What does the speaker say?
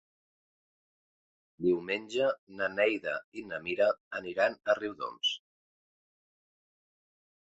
Diumenge na Neida i na Mira aniran a Riudoms.